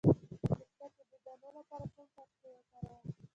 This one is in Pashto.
د پوستکي د دانو لپاره کوم څاڅکي وکاروم؟